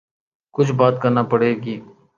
کچھ بات کرنا پڑے گی۔